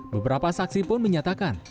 beberapa saksi pun menyatakan